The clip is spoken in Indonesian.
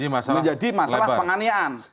menjadi masalah penganihan